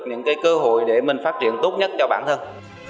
những cái cơ hội để mình phát triển tốt nhất cho bản thân